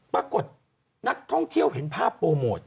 ปรากฏนักท่องเที่ยวเห็นภาพโปรโมท